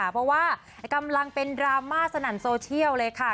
เพราะว่ากำลังเป็นดราม่าสนั่นโซเชียลเลยค่ะ